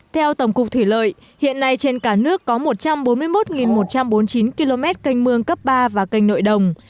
theo tổng cục thủy lợi hiện nay trên cả nước có một trăm bốn mươi một một trăm bốn mươi chín km canh mương cấp ba và kênh nội đồng